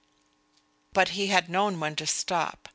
But he had known when to stop.